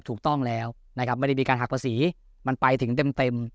ถูกต้องแล้วนะครับไม่ได้มีการหักภาษีมันไปถึงเต็ม